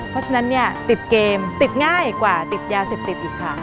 เพราะฉะนั้นเนี่ยติดเกมติดง่ายกว่าติดยาเสพติดอีกครั้ง